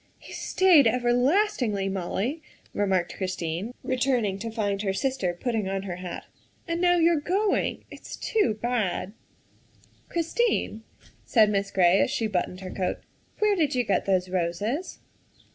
" He stayed everlastingly, Molly," remarked Chris tine, returning to find her sister putting on her hat, " and now you're going. It's too bad." THE SECRETARY OF STATE 85 " Christine," said Miss Gray as she buttoned her coat, '' where did you get those roses